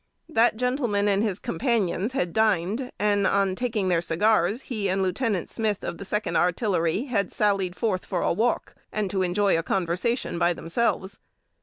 That gentleman and his companions had dined, and, on taking their cigars, he and Lieut. Smith, of the Second Artillery, had sallied forth for a walk, and to enjoy conversation by themselves.